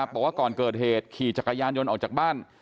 บอกว่าก่อนเกิดเหตุขี่จักรยานยนต์ออกจากบ้าน